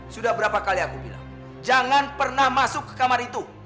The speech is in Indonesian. sudah berapa kali aku bilang jangan pernah masuk ke kamar itu